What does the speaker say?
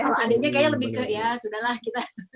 kalau adanya kayaknya lebih ke ya sudah lah kita